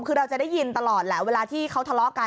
คือเราจะได้ยินตลอดแหละเวลาที่เขาทะเลาะกัน